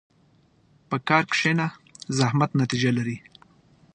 په کار کښېنه، زحمت نتیجه لري.